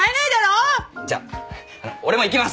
じゃあ俺も行きます！